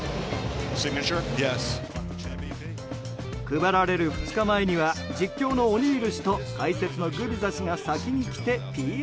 配られる２日前には実況のオニール氏と解説のグビザ氏が先に着てＰＲ。